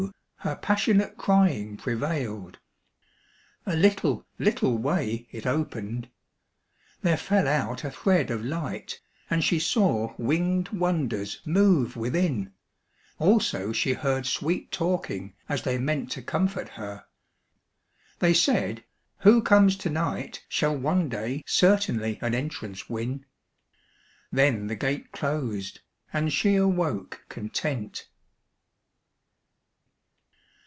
her passionate Crying prevailed. A little little way It opened: there fell out a thread of light, And she saw wingèd wonders move within; Also she heard sweet talking as they meant To comfort her. They said, "Who comes to night Shall one day certainly an entrance win;" Then the gate closed and she awoke content.